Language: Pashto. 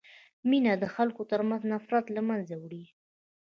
مینه د خلکو ترمنځ نفرت له منځه وړي.